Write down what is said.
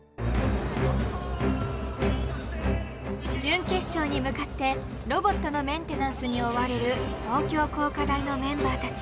準決勝に向かってロボットのメンテナンスに追われる東京工科大のメンバーたち。